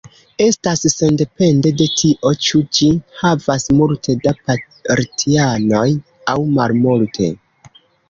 Estas sendepende de tio, ĉu ĝi havas multe da partianoj aŭ malmulte.